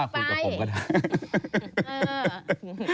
คุยกับผมก็ได้